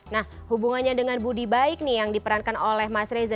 nah hubungannya dengan budi baik nih yang diperankan oleh mas reza